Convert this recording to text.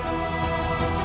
aku akan menunggu